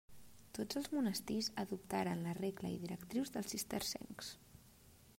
Tots els monestirs adoptaren la regla i directrius dels cistercencs.